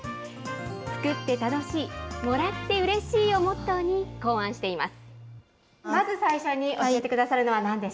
作って楽しい、もらってうれしいをモットーに考案しています。